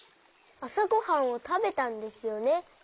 あさごはんをたべたんですよね。